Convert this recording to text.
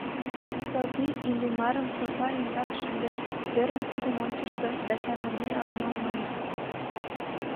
Софи Иллимарым софа ӱмбак шындыш, ӧрын тудым ончышто да чарныде ала-мом ойлыш.